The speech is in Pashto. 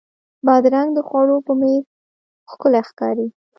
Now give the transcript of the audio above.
بادرنګ د خوړو په میز ښکلی ښکاري.